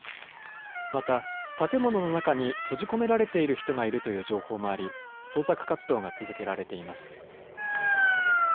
また、建物の中に閉じ込められている人がいるという情報もあり捜索活動が続けられています。